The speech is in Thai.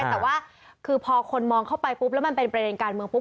แต่ว่าคือพอคนมองเข้าไปปุ๊บแล้วมันเป็นประเด็นการเมืองปุ๊